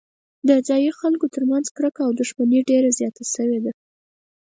د ځايي خلکو ترمنځ کرکه او دښمني ډېره زیاته شوې ده.